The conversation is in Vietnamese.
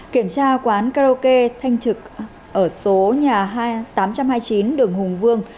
kiểm tra quán karaoke thanh trực ở số nhà tám trăm hai mươi chín đường hùng vương